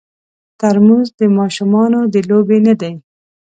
ترموز د ماشومانو د لوبې نه دی.